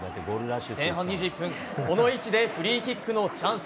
前半２１分、この位置でフリーキックのチャンス。